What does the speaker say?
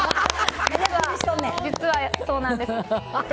実はそうなんです。